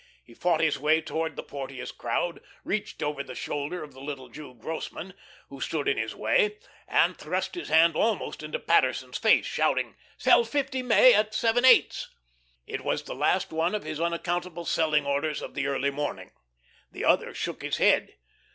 He fought his way towards the Porteous crowd, reached over the shoulder of the little Jew Grossmann, who stood in his way, and thrust his hand almost into Paterson's face, shouting: "'Sell fifty May at seven eighths." It was the last one of his unaccountable selling orders of the early morning. The other shook his head.